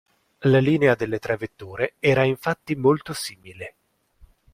La linea delle tre vetture era infatti molto simile.